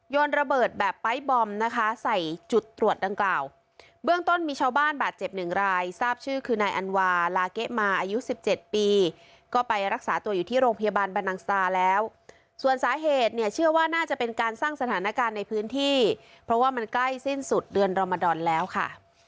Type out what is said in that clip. ระเบิดแบบไปร์ทบอมนะคะใส่จุดตรวจดังกล่าวเบื้องต้นมีชาวบ้านบาดเจ็บหนึ่งรายทราบชื่อคือนายอันวาลาเกะมาอายุสิบเจ็ดปีก็ไปรักษาตัวอยู่ที่โรงพยาบาลบรรนังซาแล้วส่วนสาเหตุเนี่ยเชื่อว่าน่าจะเป็นการสร้างสถานการณ์ในพื้นที่เพราะว่ามันใกล้สิ้นสุดเดือนรมดอนแล้วค่ะ